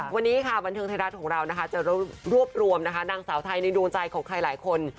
วันนี้ค่ะบันเทิงไทยรัฐของเรานะคะจะรวบรวมนะคะนางสาวไทยในดวงใจของใครหลายคน